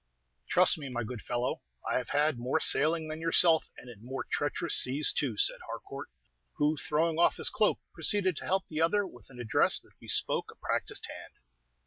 "Trust me, my good fellow; I have had more sailing than yourself, and in more treacherous seas too," said Harcourt, who, throwing off his cloak, proceeded to help the other, with an address that bespoke a practised hand.